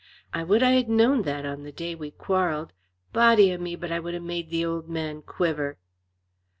I would I had known that on the day we quarrelled. Body o' me, but I would have made the old man quiver.